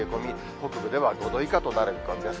北部では５度以下となる見込みです。